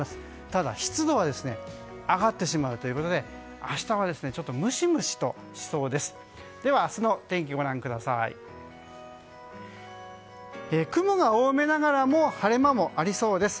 ただ、湿度は上がってしまうということで明日はムシムシとしそうです。